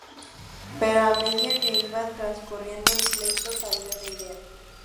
Pero a medida que iba transcurriendo el pleito, cambió de idea.